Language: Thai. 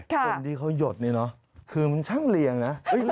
คนที่เขาหยดนี่เนอะคือมันช่างเรียงนะ